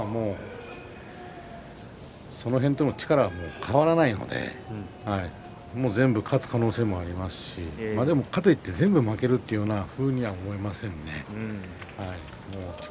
今、その辺との力は変わらないので全部勝つ可能性もありますしでも全部負けるというふうには思えません。